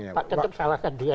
pak tentuk salahkan dia